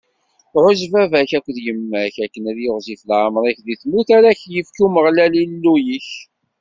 Ɛuzz baba-k akked yemma-k akken ad yiɣzif leɛmeṛ-ik di tmurt ara k-ifk Umeɣlal, Illu-ik.